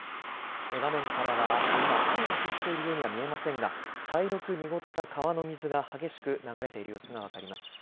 画面からは今、雨が降っているようには見えませんが茶色く濁った川の水が激しく流れている様子が分かります。